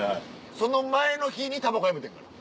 その前の日にたばこやめてんから。